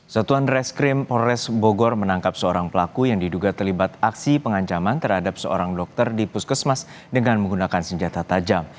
satuan reskrim polres bogor menangkap seorang pelaku yang diduga terlibat aksi pengancaman terhadap seorang dokter di puskesmas dengan menggunakan senjata tajam